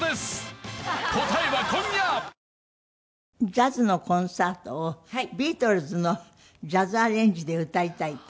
ジャズのコンサートをビートルズのジャズアレンジで歌いたいと？